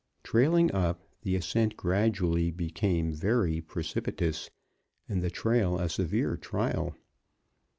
Trailing up, the ascent gradually became very precipitous and the trail a severe trial.